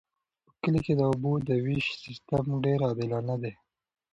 په کلي کې د اوبو د ویش سیستم ډیر عادلانه دی.